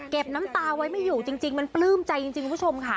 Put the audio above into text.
น้ำตาไว้ไม่อยู่จริงมันปลื้มใจจริงคุณผู้ชมค่ะ